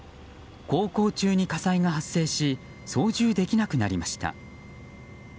航行中に火災が発生し操縦できなくなりました。